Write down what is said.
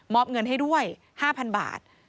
อบเงินให้ด้วย๕๐๐บาท